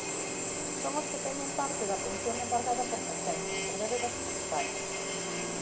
Son os que teñen parte da pensión embargada por Facenda, por débedas tributarias.